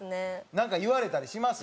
なんか言われたりします？